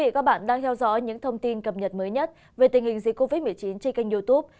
các bạn đang theo dõi những thông tin cập nhật mới nhất về tình hình dịch covid một mươi chín trên kênh youtube